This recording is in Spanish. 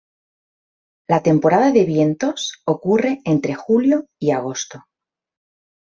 La temporada de vientos ocurre entre julio y agosto.